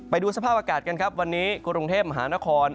ไปดูสภาพอากาศกันครับวันนี้กรุงเทพมหานคร